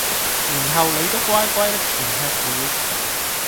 然後你都乖乖的全吃了。